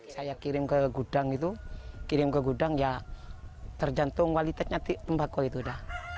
saya kirim ke gudang itu kirim ke gudang ya tergantung kualitasnya tembakau itu dah